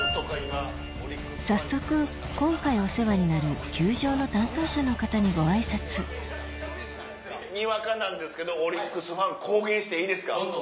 早速今回お世話になる球場の担当者の方にご挨拶にわかなんですけどオリックスファン公言していいですか？